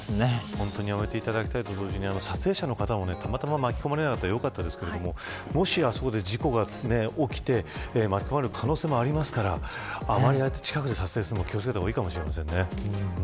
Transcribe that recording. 本当にやめていただきたいと同時に撮影者の方もたまたま巻き込まれなくてよかったですけどもしあそこで事故が起きて巻き込まれる可能性もありますから、ああやって近くで撮影するのも気を付けた方がいいかもしれません。